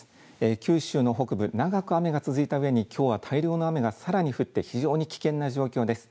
九州の北部、長く雨が続いたうえにきょうは大量の雨がさらに降って非常に危険な状況です。